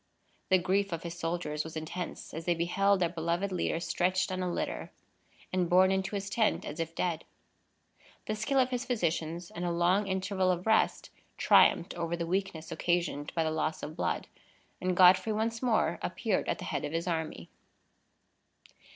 The grief of his soldiers was intense, as they beheld their beloved leader stretched on a litter, and borne into his tent as if dead. The skill of his physicians and a long interval of rest triumphed over the weakness occasioned by the loss of blood, and Godfrey once more appeared at the head of his army.